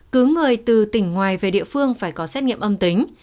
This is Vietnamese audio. cứ người từ tỉnh ngoài về địa phương phải có xét nghiệm âm tính